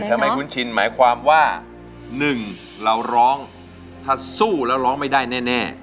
คุ้นชินหมายความว่า๑เราร้องถ้าสู้แล้วร้องไม่ได้แน่